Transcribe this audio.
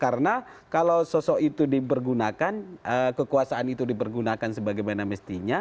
karena kalau sosok itu dipergunakan kekuasaan itu dipergunakan sebagaimana mestinya